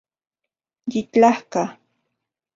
Yitlajka